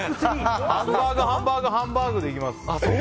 ハンバーグ、ハンバーグハンバーグでいきます。